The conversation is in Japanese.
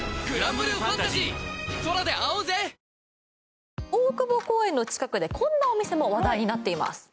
んっ大久保公園の近くでこんなお店も話題になっています